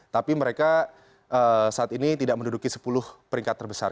tapi mereka saat ini tidak menduduki sepuluh peringkat terbesar